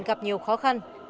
gặp nhiều khó khăn